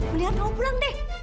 mendingan kamu pulang deh